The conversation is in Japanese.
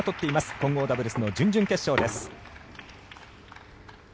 混合ダブルスの準々決勝です。